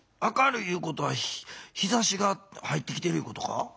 明るいいうことは日ざしが入ってきてるいうことか？